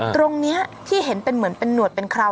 ตรงนี้ที่เห็นเป็นเหมือนเป็นหนวดเป็นเคราว